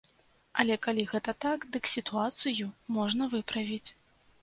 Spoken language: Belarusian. Але калі гэта так, дык сітуацыю можна выправіць.